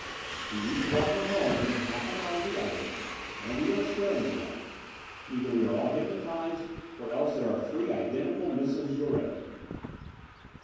"We each brought her home within a half hour of the other and we are swearing to that. Either we are all hypnotized or else there are three identical Misses Jouret.